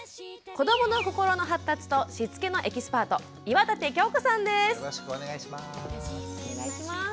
子どもの心の発達としつけのエキスパートよろしくお願いします。